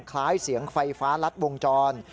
คล้ายเสียงไฟฟ้ารัดวงจร